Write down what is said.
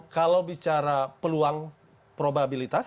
kalau bicara peluang probabilitas